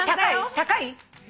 高い？